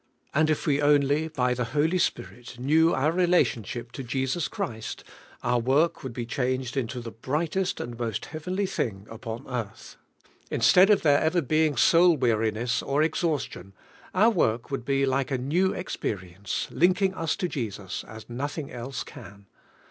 Anil if we only in the Holy Spirit knew our relationship to .Jesus Ohriat, onr noil; would lie changed into the brightest and moat heavenly tiling upon earth. Instead of there ever being soul weariness or ex haustion, our work would tie like a new experience, linking us to Jesras as noth ing else can.